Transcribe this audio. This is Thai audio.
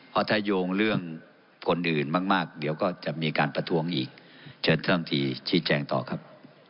เพราะถ้าโยงเรื่องคนอื่นมากเดี๋ยวก็จะมีการประท้วงอีกเชิญท่านทีชี้แจงต่อครับ